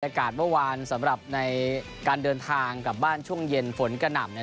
กาศเมื่อวานสำหรับในการเดินทางกลับบ้านช่วงเย็นฝนกระหน่ำ